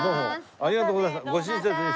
ありがとうございます。